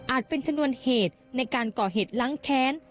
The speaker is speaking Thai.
เป็นชนวนเหตุในการก่อเหตุล้างแค้น